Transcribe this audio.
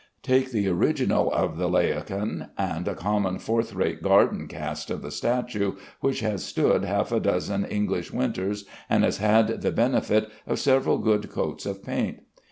Take the original of "The Laocoon," and a common fourth rate garden cast of the statue which has stood half a dozen English winters, and has had the benefit of several good coats of paint.